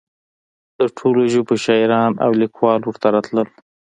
د ټولو ژبو شاعران او لیکوال ورته راتلل.